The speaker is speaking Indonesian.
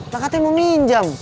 pak katen mau pinjam